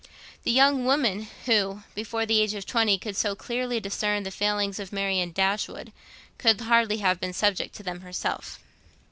The young woman who, before the age of twenty, could so clearly discern the failings of Marianne Dashwood, could hardly have been subject to them herself.